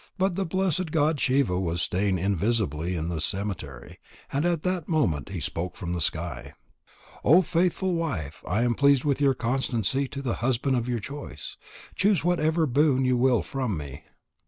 But the blessed god Shiva was staying invisibly in the cemetery, and at that moment he spoke from the sky: "O faithful wife, I am pleased with your constancy to the husband of your choice. Choose whatever boon you will from me."